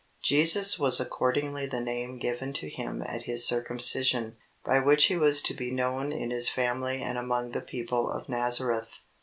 "Jesus" was accordingly the name given to Him at His circumcision, by which He was to be known in His family and among the people of Nazareth.